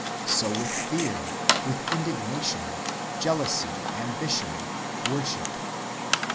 So with fear, with indignation, jealousy, ambition, worship.